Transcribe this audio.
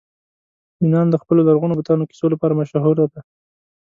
یونان د خپلو لرغونو بتانو کیسو لپاره مشهوره دی.